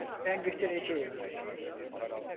Ben götüreceğim.